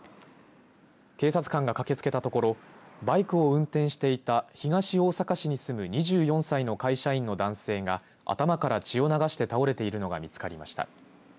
警察官が駆けつけたところバイクを運転していた東大阪市に住む２４歳の会社員の男性が頭から血を流して倒れているのが見つかりました。